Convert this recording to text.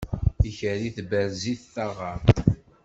Ikerri tberrez-it taɣaṭ.